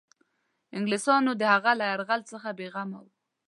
انګلیسیانو د هغه له یرغل څخه بېغمه وه.